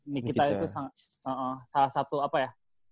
nikita itu salah satu apa ya